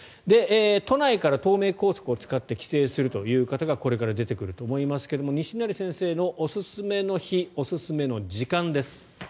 都内から東名高速を使って帰省するという方がこれから出てくると思いますが西成先生のおすすめの日おすすめの時間です。